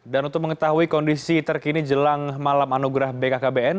dan untuk mengetahui kondisi terkini jelang malam anugerah bkkbn